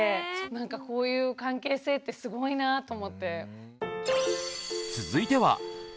なんかこういう関係性ってすごいなぁと思って。